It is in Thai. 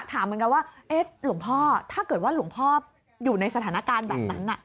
ถามเหมือนกันว่าหลวงพ่อถ้าเกิดว่าหลวงพ่ออยู่ในสถานการณ์แบบนั้น